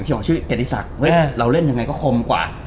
พี่หอยชื่อเกตติศักดิ์เห้ยเราเล่นยังไงก็คมกว่า